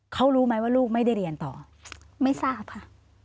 เขารู้ไหมว่าลูกไม่ได้เรียนต่อไม่ทราบค่ะ